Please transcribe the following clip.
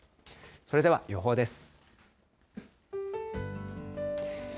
それでは予報です。